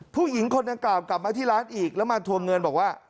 ภูตรยิงคนเรากลับมาที่ร้านอีกแล้วมาทวงเงินบอกว่า